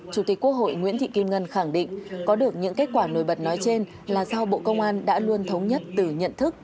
chủ tịch quốc hội nguyễn thị kim ngân khẳng định có được những kết quả nổi bật nói trên là do bộ công an đã luôn thống nhất từ nhận thức